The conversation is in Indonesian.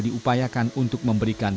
diupayakan untuk memberikan